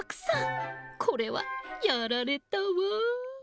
これはやられたわ。